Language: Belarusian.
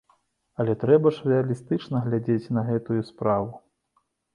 Але трэба ж рэалістычна глядзець на гэтую справу.